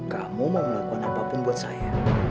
kamu mau melakukan apa pun buat saya